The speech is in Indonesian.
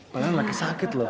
pelan pelan kesakit loh